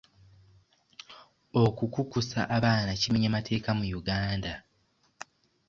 Okukukusa abaana kimenya mateeka mu Uganda.